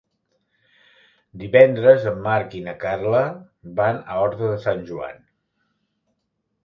Divendres en Marc i na Carla van a Horta de Sant Joan.